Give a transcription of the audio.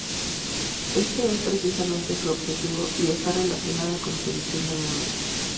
Éste es precisamente su objetivo y está relacionado con su visión del mundo.